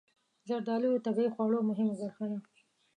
زردالو د طبعي خواړو مهمه برخه ده.